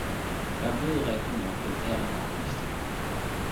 Jeg veed rigtignok den allerdeiligste!